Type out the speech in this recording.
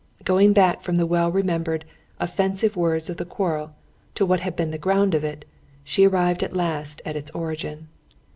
Going back from the well remembered, offensive words of the quarrel to what had been the ground of it, she arrived at last at its origin.